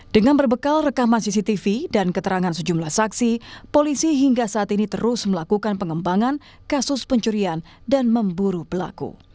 dengan berbekal rekaman cctv dan keterangan sejumlah saksi polisi hingga saat ini terus melakukan pengembangan kasus pencurian dan memburu pelaku